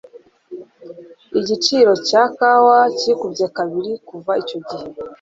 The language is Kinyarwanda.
Igiciro cya kawa cyikubye kabiri kuva icyo gihe.